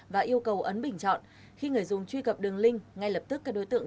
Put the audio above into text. và yêu cầu ấn bình chọn khi người dùng truy cập đường link ngay lập tức các đối tượng